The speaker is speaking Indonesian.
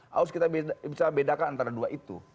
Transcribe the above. harus kita bisa bedakan antara dua itu